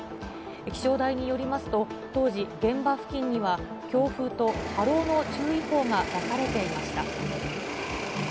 気象台によりますと、当時、現場付近には強風と波浪の注意報が出されていました。